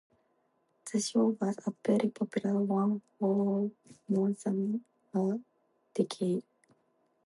The show was a very popular one for more than a decade.